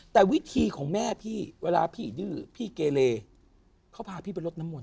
แต่วิธีของแม่พี่เวลาพี่ดื้อพี่เกเลเขาพาพี่ไปลดน้ำมน